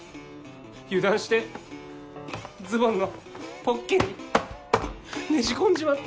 油断してズボンのポッケにねじ込んじまって。